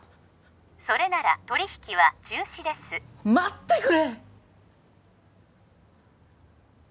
それなら取り引きは中止です待ってくれ！